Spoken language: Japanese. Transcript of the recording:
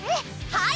はい！